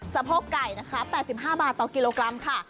สะโพกไก่นะคะ๘๕บาทต่อกิโลกรัมค่ะ